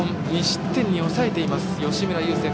２失点に抑えている吉村優聖歩。